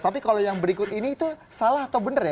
tapi kalau yang berikut ini itu salah atau benar ya